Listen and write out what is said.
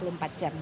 terima kasih bu